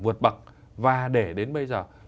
vượt bậc và để đến bây giờ